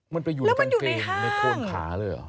มันไปอยู่ในกางเกงในโคนขาเลยเหรอ